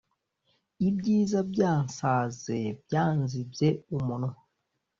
Ibyiza byansaz byanzibye umunwa